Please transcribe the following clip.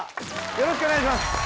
よろしくお願いします